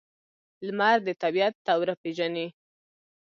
لمر د طبیعت دوره پیژني.